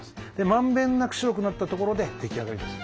まんべんなく白くなったところで出来上がりです。